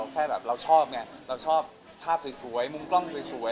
แค่แบบเราชอบไงเราชอบภาพสวยมุมกล้องสวย